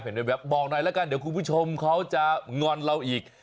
บอกหน่อยแล้วกันเดี๋ยวคุณผู้ชมเขาจะงอนเราอีก